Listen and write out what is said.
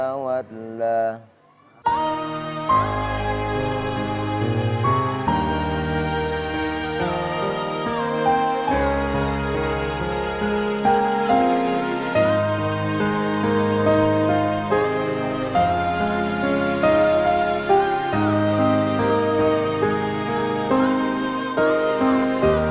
tuhan yang menjaga kita